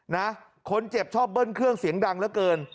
นะคนเจ็บชอบเบิ้ลเครื่องเสียงดังเหลือเกิน